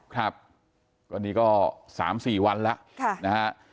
กลุ่มตัวเชียงใหม่